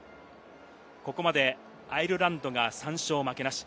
ここまでアイルランドが３勝負けなし。